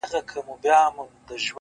خير دی د مني د اول ماښام هوا به سم;